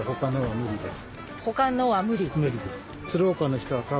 無理です。